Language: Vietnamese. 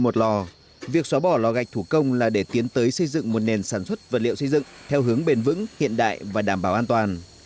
một lò việc xóa bỏ lò gạch thủ công là để tiến tới xây dựng một nền sản xuất vật liệu xây dựng theo hướng bền vững hiện đại và đảm bảo an toàn